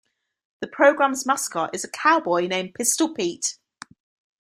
The program's mascot is a cowboy named Pistol Pete.